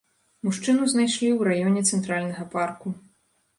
Мужчыну знайшлі ў раёне цэнтральнага парку.